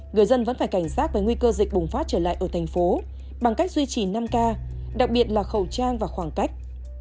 người dân vẫn phải cảnh giác với nguy cơ dịch bùng phát trở lại ở thành phố bằng cách duy trì năm k đặc biệt là khẩu trang và khoảng cách